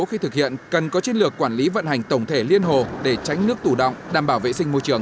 khi thực hiện cần có chiến lược quản lý vận hành tổng thể liên hồ để tránh nước tủ động đảm bảo vệ sinh môi trường